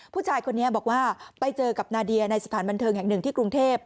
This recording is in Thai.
ผู้ชายคนนี้บอกว่าไปเจอกับนาเดียในสถานบันเทิงแห่งหนึ่งที่กรุงเทพ